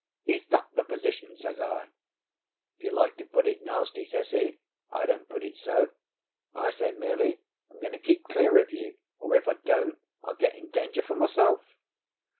Is that the position?" says I. "If you like to put it nasty," says he. "I don't put it so. I say merely, 'I'm going to keep clear of you; or, if I don't, I'll get in danger for myself.